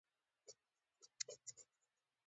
احمد د خپلو ډېرو ناځوانه ملګرو رنګون هیر کړل.